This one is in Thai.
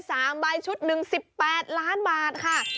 สามใบชุด๑๘ล้านบาทค่ะ